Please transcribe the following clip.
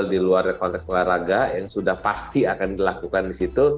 di luar konteks olahraga yang sudah pasti akan dilakukan di situ